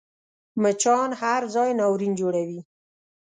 مچان هر ځای ناورین جوړوي